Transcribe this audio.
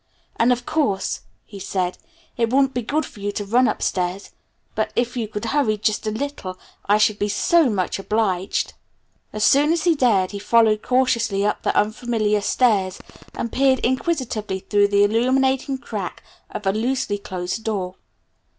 And of course," he said, "it wouldn't be good for you to run upstairs, but if you could hurry just a little I should be so much obliged." As soon as he dared, he followed cautiously up the unfamiliar stairs, and peered inquisitively through the illuminating crack of a loosely closed door.